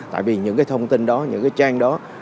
tại vì những cái thông tin đó những cái trang đó